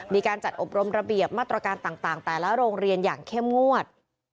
มีการจัดอบรมระเบียบมาตรการต่างแต่ละโรงเรียนอย่างเข้มงวด